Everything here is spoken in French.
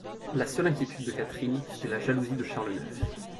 La seule inquiétude de Catherine, c'était la jalousie de Charles neuf.